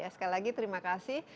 sekali lagi terima kasih